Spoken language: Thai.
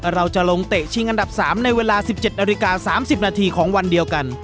เราจะลงเตะชิงอันดับ๓ในเวลา๑๗นาฬิกา๓๐นาทีของวันเดียวกัน